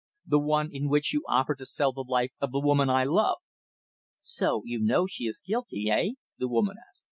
"The one in which you offer to sell the life of the woman I love!" "So you know she is guilty eh?" the woman asked.